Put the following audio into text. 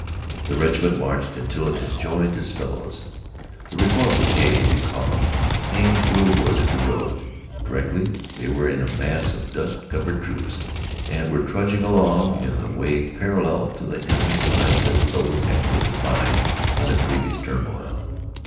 The regiment marched until it had joined its fellows. The reformed brigade, in column, aimed through a wood at the road. Directly they were in a mass of dust covered troops, and were trudging along in a way parallel to the enemy's lines as these had been defined by the previous turmoil.